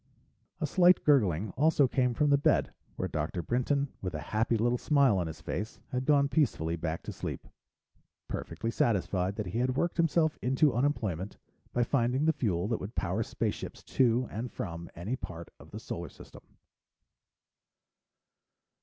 A slight gurgling also came from the bed, where Dr. Brinton, with a happy little smile on his face, had gone peacefully back to sleep, perfectly satisfied that he had worked himself into unemployment by finding the fuel that would power spaceships to and from any part of the Solar System.